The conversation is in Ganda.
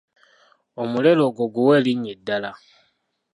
Omuleera ogwo guwe erinnya eddala?